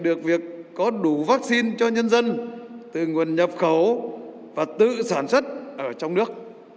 được việc có đủ vaccine cho nhân dân từ nguồn nhập khẩu và tự sản xuất ở trong nước